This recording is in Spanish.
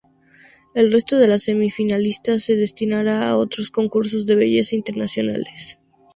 El resto de las semifinalistas se destinará a otros concursos de belleza internacionales.